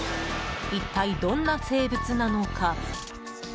一体どんな生物なのか？